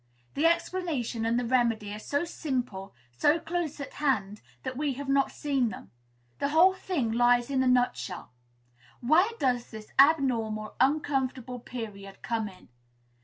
The explanation and the remedy are so simple, so close at hand, that we have not seen them. The whole thing lies in a nutshell. Where does this abnormal, uncomfortable period come in?